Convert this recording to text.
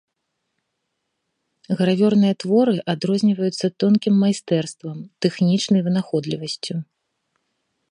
Гравёрныя творы адрозніваюцца тонкім майстэрствам, тэхнічнай вынаходлівасцю.